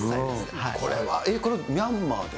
これは、ミャンマーで？